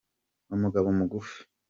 Umugabo mugufi.